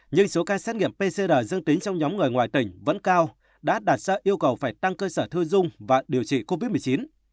nhưng số ca xét nghiệm pcr dương tính trong nhóm người ngoài tỉnh vẫn cao đã đạt ra yêu cầu phải tăng cơ sở thu dung và điều trị covid một mươi chín